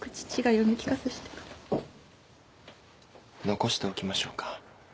残しておきましょうか。